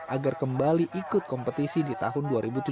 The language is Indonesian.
agar kembali ikut kompetisi di tahun dua ribu tujuh belas